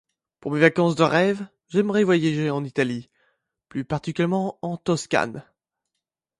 Pour mes vacances de rêve, j'aimerais voyager en Italie, plus particulièrement en Toscane.